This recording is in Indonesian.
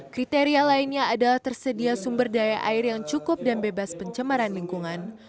kriteria lainnya adalah tersedia sumber daya air yang cukup dan bebas pencemaran lingkungan